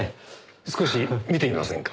少し見てみませんか？